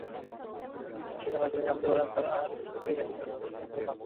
সেখানে তিনি জানতে পারেন তাঁর আটটি ছবি নির্বাচিত হয়েছে প্রদর্শনীর জন্য।